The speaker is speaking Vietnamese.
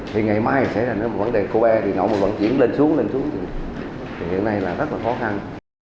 thì ngày mai xảy ra một vấn đề cô bé thì lợn vận chuyển lên xuống lên xuống thì hiện nay là rất là khó khăn